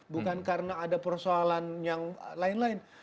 bukan karena ada persoalan yang lain lain